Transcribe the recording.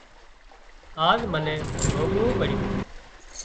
آز منين ڀوڳوون پڙيُون